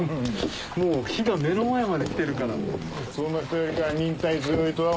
もう火が目の前まで来てるから。